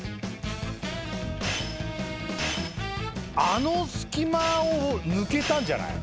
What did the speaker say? あの隙間を抜けたんじゃない？